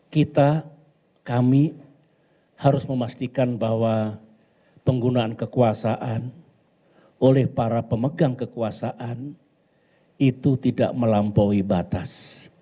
kita kami harus memastikan bahwa penggunaan kekuasaan oleh para pemegang kekuasaan itu tidak melampaui batas